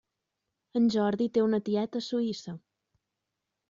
En Jordi té una tieta a Suïssa.